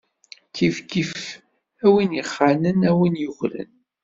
Kifkif, a win ixanen, a win yukren.